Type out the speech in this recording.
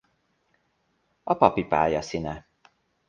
A papi pálya színe.